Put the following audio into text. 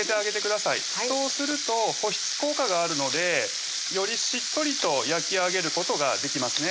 そうすると保湿効果があるのでよりしっとりと焼き上げることができますね